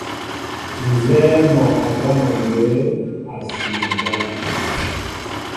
Nzɛ́ɛ́ mɔ́ a jámɛ mbə̌ a sima jám.